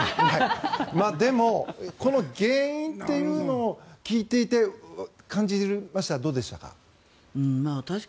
でもこの原因というのを聞いていて、どうでしたか？